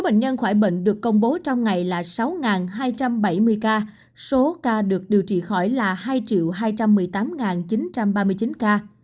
công bố trong ngày là sáu hai trăm bảy mươi ca số ca được điều trị khỏi là hai hai trăm một mươi tám chín trăm ba mươi chín ca